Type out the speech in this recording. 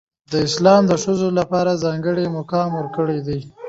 اسلام د ښځو لپاره ځانګړی مقام ورکړی دی.